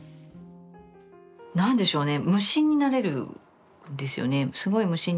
なんでしょうね